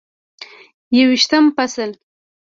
یوویشتم فصل: